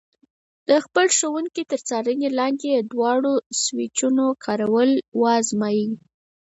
د خپل ښوونکي تر څارنې لاندې د دواړو سویچونو کارول وازمایئ.